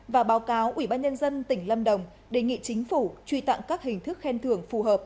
và báo cáo ủy ban nhân dân tỉnh lâm đồng đề nghị chính phủ truy tặng các hình thức khen thường phù hợp